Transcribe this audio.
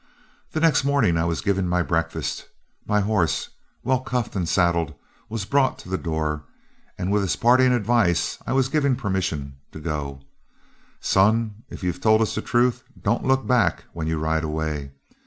The next morning I was given my breakfast; my horse, well cuffed and saddled, was brought to the door, and with this parting advice I was given permission to go: 'Son, if you've told us the truth, don't look back when you ride away.